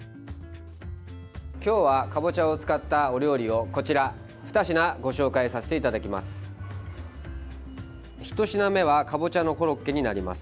今日は、かぼちゃを使ったお料理を２品ご紹介させていただきます。